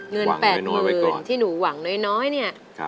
เงิน๘๐๐๐ที่หนูหวังน้อยเนี่ย